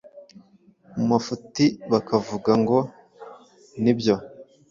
mu mafuti bakavuga ngo nibyo